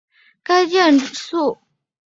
该建筑系两栋单独的房子合并而成。